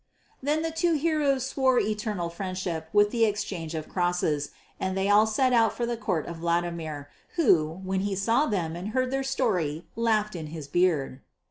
Then the two heroes swore eternal friendship with the exchange of crosses, and they all set out for the court of Vladimir, who when he saw them and heard their story laughed in his beard.